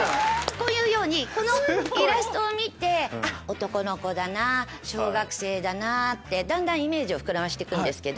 こういうようにこのイラストを見て男の子だな小学生だなってだんだんイメージを膨らましてくんですけど。